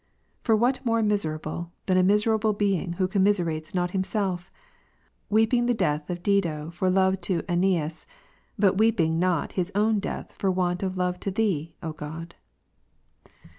21. For Avhat more miserable than a miserable beinsr who commiserates not himself; weeping the death of Dido for love to ^neas/I)ut weeping not his own death for want of love toThee, O God.